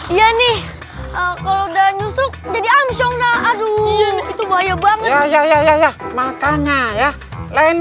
iya nih kalau udah nyusruk jadi almsyong dah aduh itu bahaya banget ya ya ya ya ya makanya ya lain